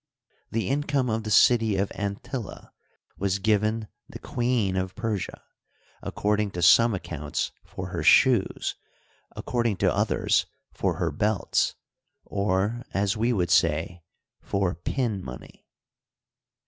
. The income of the city of Anthylla was given the Queen of Persia, according to some accounts for her shoes, according to others for her belts, or, as we would say, for pin money.